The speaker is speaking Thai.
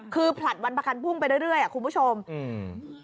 คือผลัดวันประกันพุ่งไปเรื่อยเรื่อยอ่ะคุณผู้ชมอืม